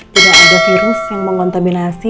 tidak ada virus yang mengontabinasi